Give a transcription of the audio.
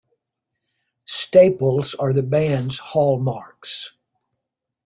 Staples are the band's hallmarks.